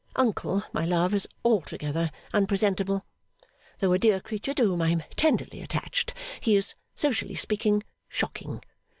Uncle, my love, is altogether unpresentable. Though a dear creature to whom I am tenderly attached, he is, socially speaking, shocking.